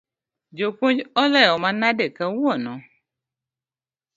Japuonj olewo manade kawuono?